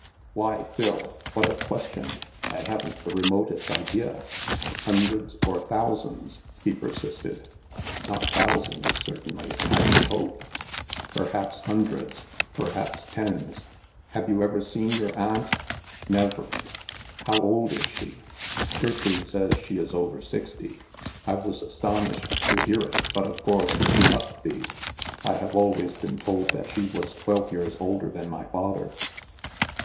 " Why, Phil, what a question ! I haven't the remotest idea." " Hundreds or thousands?*' he persisted. " Not thousands, certainly, I should hope. Per haps hundreds, perhaps tens." " Have you ever seen your aimt ?"" Never." How old IS she ?" Gertrude says she is over sixty. I was aston ished to hear it, but of course, she must be. I have always been told that she was twelve years older than my father."